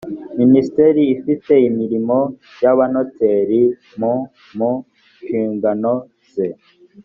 minisiteri ifite imirimo y’abanoteri mu mu nshingano ze